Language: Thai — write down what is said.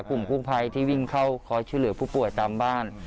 กลุ่มกู้ภัยที่วิ่งเข้าคอยช่วยเหลือผู้ป่วยตามบ้าน